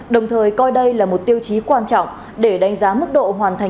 đồng thời coi đây là một tiêu chí quan trọng để đánh giá mức độ hoàn thành